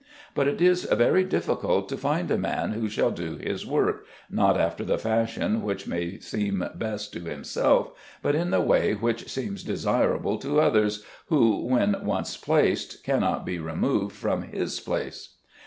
But it is very difficult to find a man who shall do his work, not after the fashion which may seem best to himself, but in the way which seems most desirable to others, who, when once placed, cannot be removed from his place.